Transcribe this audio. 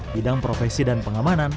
bidang profesi dan pengamanan